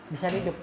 bisa di jemput